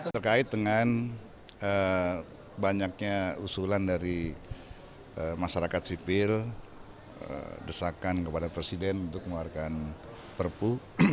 terkait dengan banyaknya usulan dari masyarakat sipil desakan kepada presiden untuk mengeluarkan perpu